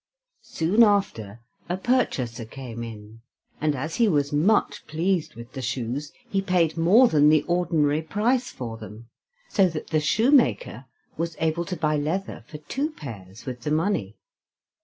Soon after a purchaser came in, and as he was much pleased with the shoes, he paid more than the ordinary price for them, so that the shoemaker was able to buy leather for two pairs with the money.